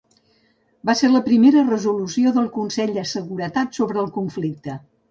Va ser la primera resolució del Consell de Seguretat sobre el conflicte.